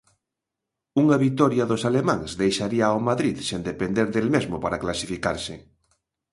Unha vitoria dos alemáns deixaría ao Madrid sen depender del mesmo para clasificarse.